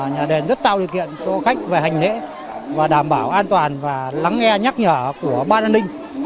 nhà đền rất tạo điều kiện cho khách về hành lễ và đảm bảo an toàn và lắng nghe nhắc nhở của ban an ninh